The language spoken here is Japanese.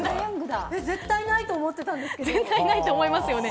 絶対ないと思ってたんですけれども。